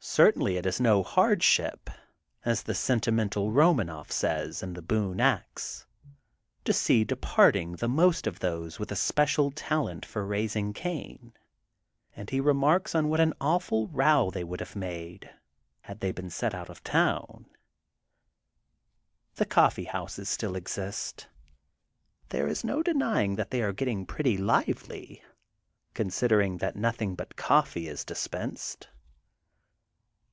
^^ Certainly it is no hard ship,'* as the Sentimental Romanoff says, in THE GOLDEN BOOK OF SPRINGFIELD 213 The Boone Ax^ to see departing the most of those with a special talent for raising Cain. ^' And he ren^arks on what an awful row they would have made, had th^y been sent out of town. The coffee houses still exist. There is no denying that they arie getting pretty lively, considering that nothing but coffee is dis pensed.